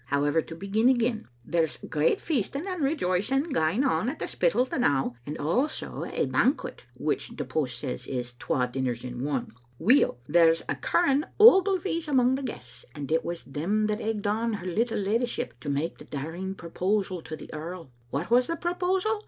How ever, to begin again ; there's great feasting and rejoic ings gaen on at the Spittal the now, and also a ban Digitized by vjOOQIc Scene at tbe SpfttaL an quet, which tlfe'jpost says is twa dinners in one. Weel, there's a curran Ogilvys among the guests, and it was them that egged on her little leddyship to make the dar ing proposal to the earl. What was the proposal?